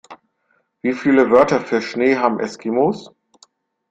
Wie viele Wörter für Schnee haben Eskimos?